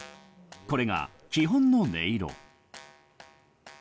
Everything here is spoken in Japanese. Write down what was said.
これが基本の音色。